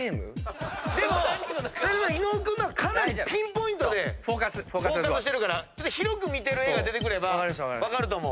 でも伊野尾君のはかなりピンポイントでフォーカスしてるからちょっと広く見てる絵が出てくれば分かると思う。